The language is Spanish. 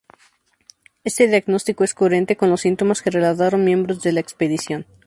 Este diagnóstico es coherente con los síntomas que relataron miembros de la expedición.